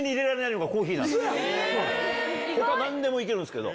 他何でも行けるんすけど。